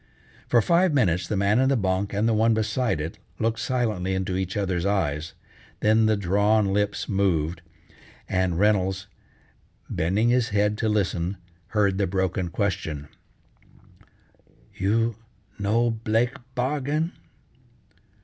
For five minutes the man in the bunk and the one beside it looked silently into each other's eyes, then the drawn lips moved, and Reynolds, bending his head to listen, heard the broken question: "You no blake bargain?"